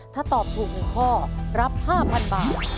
ถ้าตอบถูก๑ข้อรับ๕๐๐๐บาท